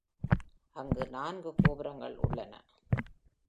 அங்கு நான்கு கோபுரங்கள் உள்ளன.